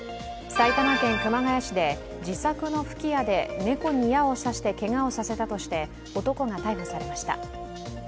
埼玉県熊谷市で、自作の吹き矢で猫に矢をさしてけがをさせたとして男が逮捕されました。